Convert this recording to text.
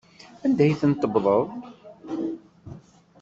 Anda ay tent-tewteḍ?